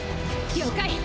了解。